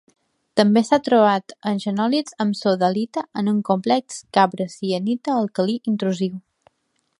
També s'ha trobat en xenòlits amb sodalita en un complex gabre-sienita alcalí intrusiu.